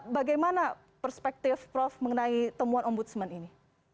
bagaimana perspektif prof mengenai temuan ombudsman ini